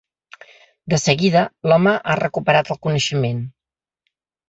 De seguida, l’home ha recuperat el coneixement.